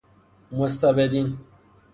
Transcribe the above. مستبدین